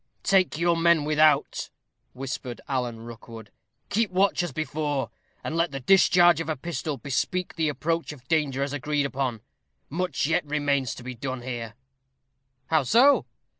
"Take your men without," whispered Alan Rookwood; "keep watch as before, and let the discharge of a pistol bespeak the approach of danger as agreed upon; much yet remains to be done here." "How so?"